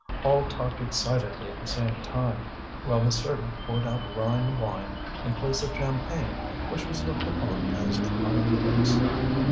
All talked excitedly at the same time, while the servant poured out Rhine wine in place of champagne which was looked upon as commonplace.